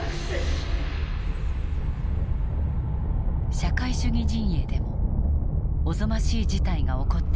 社会主義陣営でもおぞましい事態が起こっていた。